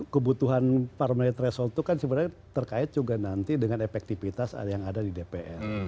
kebutuhan parmenitresol itu kan sebenarnya terkait juga nanti dengan efektifitas yang ada di dpr